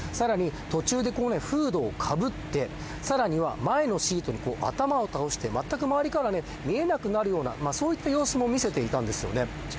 さらに途中でフードをかぶってさらには前のシートに頭を倒してまったく周りから見えなくなるようなそういった様子も見せていたんですよね。